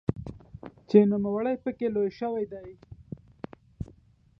چې نوموړی پکې لوی شوی دی.